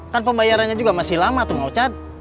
kan pembayarannya juga masih lama tuh mau cat